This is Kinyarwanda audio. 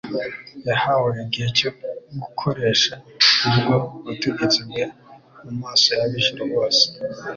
Yahawe igihe cyo gukoresha ubwo butegetsi bwe mu maso y'ab'ijuru bose.